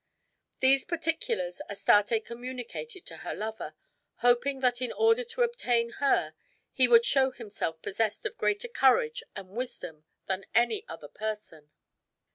These particulars Astarte communicated to her lover, hoping that in order to obtain her he would show himself possessed of greater courage and wisdom than any other person.